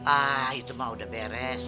ah itu mah udah beres